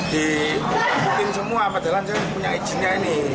diputin semua padahal saya punya izinnya ini